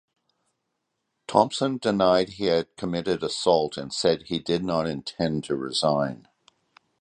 Thompson denied he had committed assault and said he did not intend to resign.